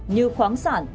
như khoáng sản